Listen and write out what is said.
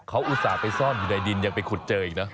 เขาอุตส่าห์ไปซ่อนอยู่ในดินยังไปขุดเจออีกนะ